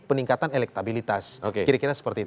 peningkatan elektabilitas kira kira seperti itu